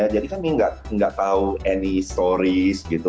jadi kami nggak tahu any story gitu